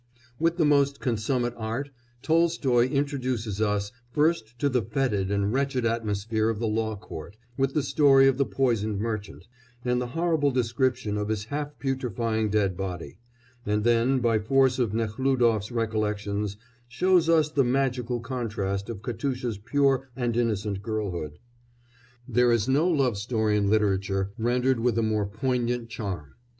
With the most consummate art Tolstoy introduces us first to the foetid and wretched atmosphere of the law court, with the story of the poisoned merchant, and the horrible description of his half putrefying dead body, and then, by force of Nekhlúdof's recollections, shows us the magical contrast of Katusha's pure and innocent girlhood. There is no love story in literature rendered with a more poignant charm.